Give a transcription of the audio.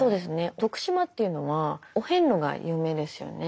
徳島というのはお遍路が有名ですよね。